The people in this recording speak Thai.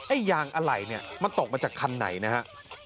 ยางอะไหล่เนี่ยมันตกมาจากคันไหนนะฮะ